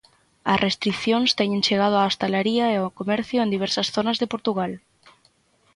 As restricións teñen chegado á hostalaría e ao comercio en diversas zonas de Portugal.